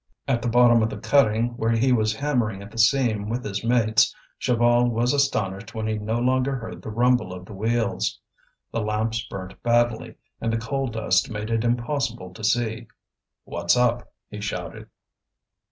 At the bottom of the cutting, where he was hammering at the seam with his mates, Chaval was astonished when he no longer heard the rumble of the wheels. The lamps burnt badly, and the coal dust made it impossible to see. "What's up?" he shouted.